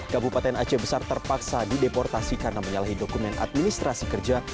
kabupaten aceh besar terpaksa dideportasi karena menyalahi dokumen administrasi kerja